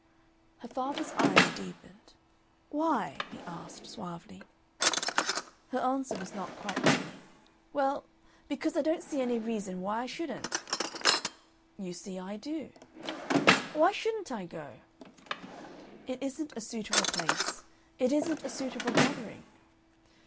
Her father's irony deepened. "Why?" he asked, suavely. Her answer was not quite ready. "Well, because I don't see any reason why I shouldn't." "You see I do." "Why shouldn't I go?" "It isn't a suitable place; it isn't a suitable gathering."